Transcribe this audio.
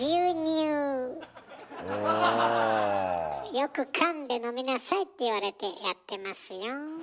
よくかんで飲みなさいって言われてやってますよ。